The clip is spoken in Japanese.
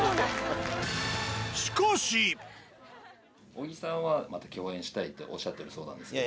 小木さんはっておっしゃってるそうなんですけど。